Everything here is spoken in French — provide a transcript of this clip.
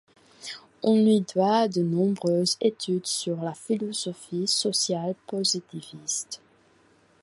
On lui doit de nombreuses études sur la philosophie sociale positiviste.